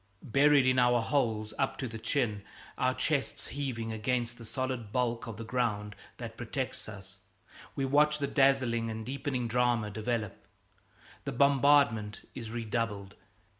Buried in our holes up to the chin, our chests heaving against the solid bulk of the ground that protects us, we watch the dazzling and deepening drama develop. The bombardment is redoubled.